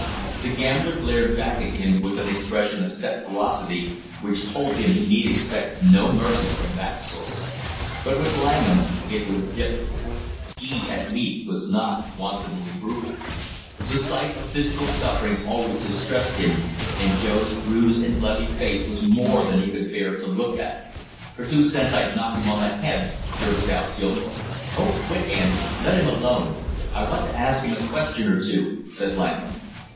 The gambler glared back at him with an expression of set ferocity which told him he need expect no mercy from that source; but with Langham it was different; he at least was not wantonly brutal. The sight of physical suffering always distressed him and Joe's bruised and bloody face was more than he could bear to look at. "For two cents I'd knock him on the head!" jerked out Gilmore. "Oh, quit, Andy; let him alone! I want to ask him a question or two," said Langham.